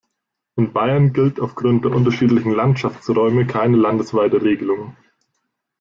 In Bayern gilt aufgrund der unterschiedlichen Landschaftsräume keine landesweite Regelung.